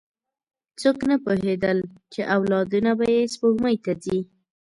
څوک نه پوهېدل، چې اولادونه به یې سپوږمۍ ته ځي.